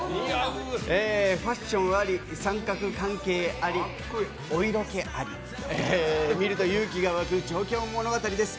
ファッションあり、三角関係ありお色気あり見ると自然と勇気が湧いてくる上京物語です。